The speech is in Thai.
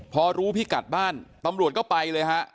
พอรู้พิกัดบ้านตำรวจก็ไปเลยฮะ